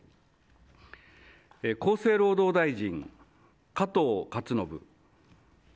厚生労働大臣、加藤勝信。